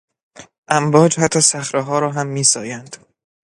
امواج حتی صخرهها را هم میسایند.